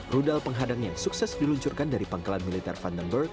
rudal penghadang yang sukses diluncurkan dari pangkalan militer vandamberg